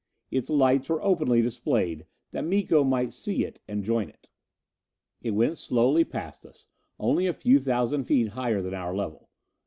Its lights were openly displayed, that Miko might see it and join it. It went slowly past us, only a few thousand feet higher than our level.